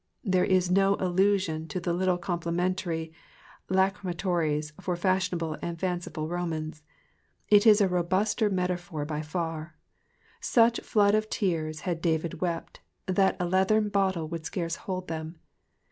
There is no allusion to the little complimentary lachrymatories for fashionable and fanciful Romans, it is a robuster metaphor by far ; such floods of tears had David wept that a leathern bottle would scarce hold them.